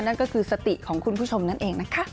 นั่นก็คือสติของคุณผู้ชมนั่นเองนะคะ